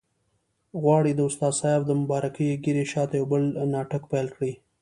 غواړي د استاد سیاف د مبارکې ږیرې شاته یو بل ناټک پیل کړي.